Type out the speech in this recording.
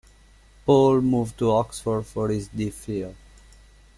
Paul moved to Oxford for his D Phil.